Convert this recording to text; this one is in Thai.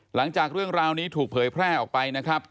หลังจากเรื่องราวนี้ถูกเผยแพร่ออกไปนะครับ